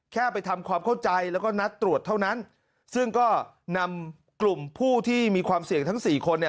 แค่ไปทำความเข้าใจแล้วก็นัดตรวจเท่านั้นซึ่งก็นำกลุ่มผู้ที่มีความเสี่ยงทั้งสี่คนเนี่ย